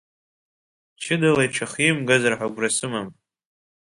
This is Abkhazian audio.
Ҷыдала иҽахимгазар ҳәа агәра сымам.